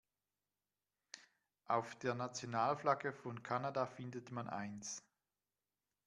Auf der Nationalflagge von Kanada findet man eins.